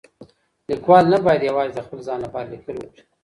ليکوال نه بايد يوازي د خپل ځان لپاره ليکل وکړي.